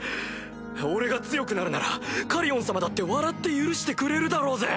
俺が強くなるならカリオン様だって笑って許してくれるだろうぜ！